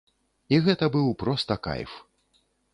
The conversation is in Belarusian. І гэта быў проста кайф.